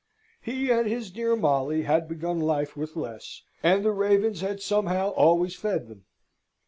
He and his dear Molly had begun life with less, and the ravens had somehow always fed them.